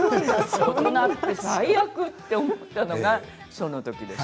大人って最悪と思ったのがそのときです。